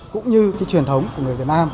cũng như cái truyền thống của người dân